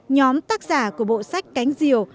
nhóm tác giả của bộ sách cánh diều